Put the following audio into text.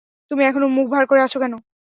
তুমি এখনো মুখ ভার করে আছো কেন?